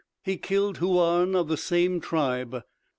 He killed Houarne of the same tribe.